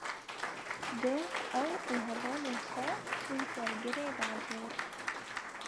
Doh ew û hevalên xwe çûn ser girê bajêr.